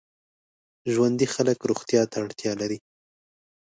ژوندي خلک روغتیا ته اړتیا لري